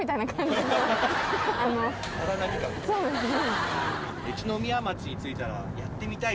そうですね。